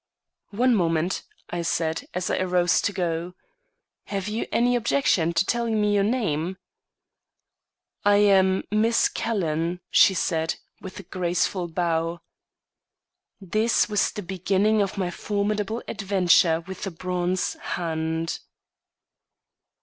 "One moment," I said, as I arose to go. "Have you any objection to telling me your name?" "I am Miss Calhoun," she said, with a graceful bow. This was the beginning of my formidable adventure with the bronze hand.